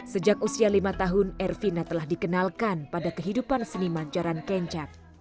sejak usia lima tahun ervina telah dikenalkan pada kehidupan seniman jaran kencak